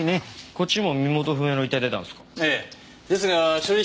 こっちも身元不明の遺体出たんですか？